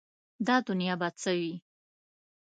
دا دنیا به څه وي ؟